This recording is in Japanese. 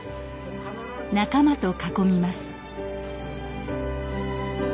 仲間と囲みます